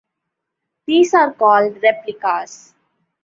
These are called replicas.